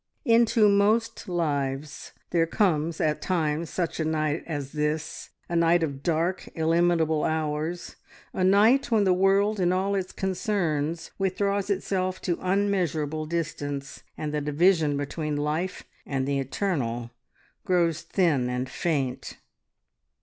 Into most lives there comes at times such a night as this; a night of dark, illimitable hours, a night when the world and all its concerns withdraws itself to unmeasurable distance, and the division between life and the eternal grows thin and faint.